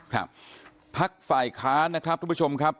ครับพักฝ่ายค้านนะครับทุกผู้ชมครับ